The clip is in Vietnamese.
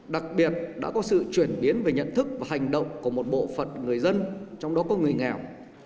đặc biệt đã có sự chuyển biến về nhận thức và hành động của một bộ phận người dân trong đó có người nghèo